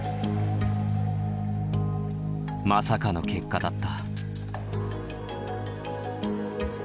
まさかの結果だった。